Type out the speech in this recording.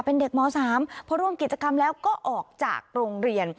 เป็นเด็กม๓พอร่วมกิจกรรมแล้วก็ออกจากโรงเรียน